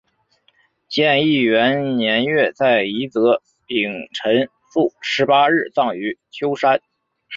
建义元年月在夷则丙辰朔十八日葬于邙山。